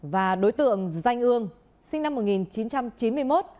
và đối tượng danh ương sinh năm một nghìn chín trăm chín mươi một